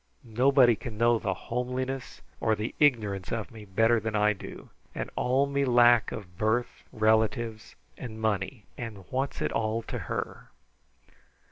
Nobody can know the homeliness or the ignorance of me better than I do, and all me lack of birth, relatives, and money, and what's it all to her?"